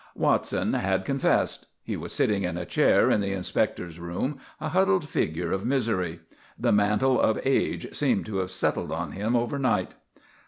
Watson had confessed. He was sitting in a chair in the Inspector's room, a huddled figure of misery. The mantle of age seemed to have settled on him overnight.